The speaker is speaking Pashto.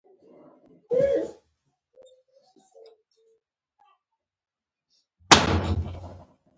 تورې او کلمې ځیني وبهیږې